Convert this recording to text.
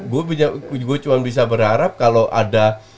gue cuma bisa berharap kalau ada